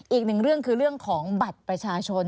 อีกหนึ่งเรื่องคือเรื่องของบัตรประชาชน